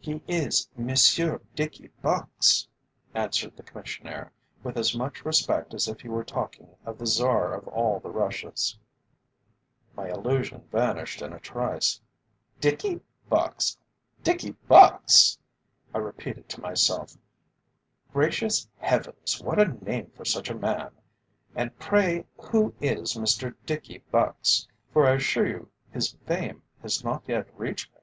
"He is Monsieur Dickie Bucks," answered the Commissionaire, with as much respect as if he were talking of the Czar of all the Russias. My illusion vanished in a trice. "Dickie Bucks, Dickie Bucks," I repeated to myself. "Gracious heavens! what a name for such a man! And pray who is Mr Dickie Bucks, for I assure you his fame has not yet reached me?"